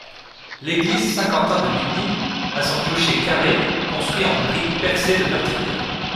L'église Saint-Quentin de Lugny a son clocher carré construit en briques percé de meurtrières.